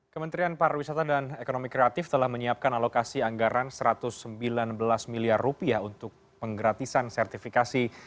kementerian pariwisata dan ekonomi kreatif telah menyiapkan alokasi anggaran rp satu ratus sembilan belas miliar rupiah untuk penggratisan sertifikasi